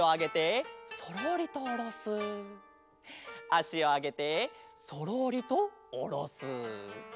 あしをあげてそろりとおろす。